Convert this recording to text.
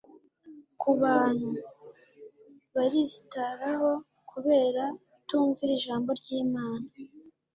Ku bantu «barisitaraho kubera kutumvira Ijambo ry'Imana»_.